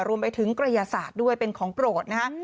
รวมไปถึงกระยาศาสตร์ด้วยเป็นของโปรดนะฮะ